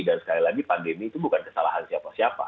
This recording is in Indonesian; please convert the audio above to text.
dan sekali lagi pandemi itu bukan kesalahan siapa siapa